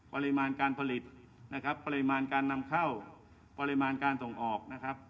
ปริมาณการผลิตปริมาณการนำเข้าปริมาณการส่งออก